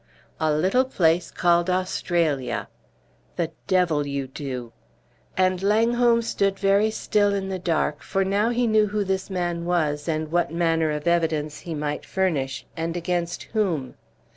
"A little place called Australia." "The devil you do!" And Langholm stood very still in the dark, for now he knew who this man was, and what manner of evidence he might furnish, and against whom.